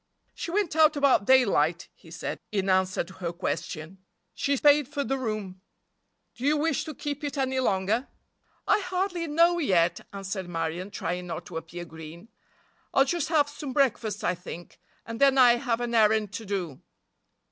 "She went out about daylight," he said, in answer to her question. "She paid for the room. Do you wish to keep it any longer?" "I hardly know yet," answered Marion, trying not to appear green, "I'll just have some breakfast, I think, and then I have an errand to do."